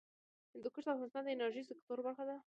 هندوکش د افغانستان د انرژۍ سکتور برخه ده.